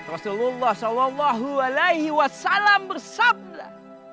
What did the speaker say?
rasulullah sallallahu alaihi wasallam bersabda